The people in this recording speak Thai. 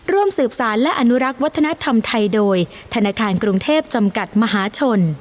ร่วมสืบสารและอนุรักษ์วัฒนธรรมไทยโดยธนาคารกรุงเทพจำกัดมหาชน